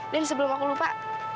dan sebelum aku lupa